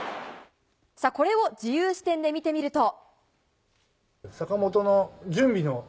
さぁこれを自由視点で見てみると。